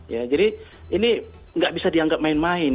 ya jadi ini nggak bisa dianggap main main